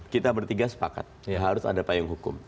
kita bertiga sepakat ya harus ada payung hukum